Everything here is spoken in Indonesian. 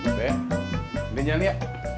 udah ya udah jalan ya